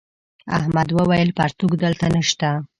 احمد وويل: پرتوگ دلته نشته.